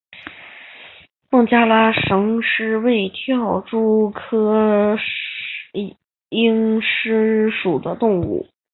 孟加拉蝇狮为跳蛛科蝇狮属的动物。